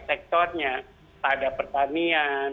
sektornya pada pertanian